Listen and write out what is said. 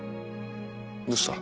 どうした？